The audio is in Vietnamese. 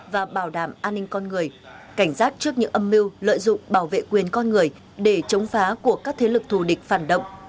và bảo đảm an ninh con người cảnh giác trước những âm mưu lợi dụng bảo vệ quyền con người để chống phá của các thế lực thù địch phản động